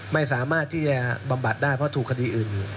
ไม่สามารถที่จะบำบัดได้เพราะถูกคดีอื่น